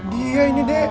dia ini deh